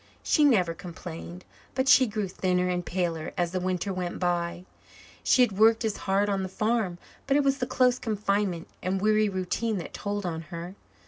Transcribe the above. She never complained, but she grew thinner and paler as the winter went by. She had worked as hard on the farm, but it was the close confinement and weary routine that told on her.